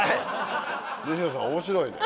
西野さん面白いね。